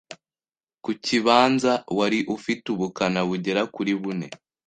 ku kibanza wari ufite ubukana bugera kuri bune